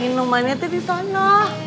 minumannya tuh di sana